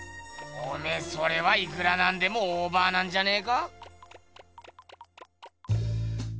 おめえそれはいくらなんでもオーバーなんじゃねえか？